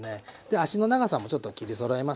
足の長さもちょっと切りそろえます。